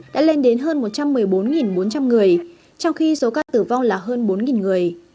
đã lên đến hơn một trăm một mươi bốn bốn trăm linh người trong khi số ca tử vong là hơn bốn người